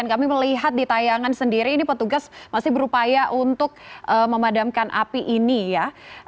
kami melihat di tayangan sendiri ini petugas masih berupaya untuk memadamkan api ini ya